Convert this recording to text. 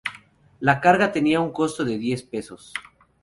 La carga tenía un costo de diez pesos.